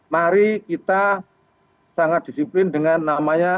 mari kita sangat disiplin dengan namanya